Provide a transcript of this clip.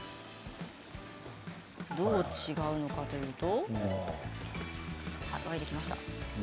どう違うのかというと。